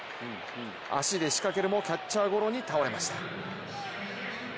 足で仕掛けるもキャッチャーゴロに倒れました。